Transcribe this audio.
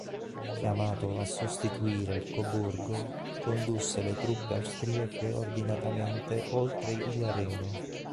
Chiamato a sostituire il Coburgo, condusse le truppe austriache ordinatamente oltre il Reno.